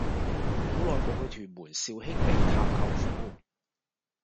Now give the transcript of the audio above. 好耐無去屯門兆興里探舅父